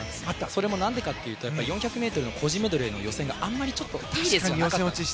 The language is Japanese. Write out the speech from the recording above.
それも、何でかというと４００ｍの個人メドレーの予選があんまりいいレースではなかった。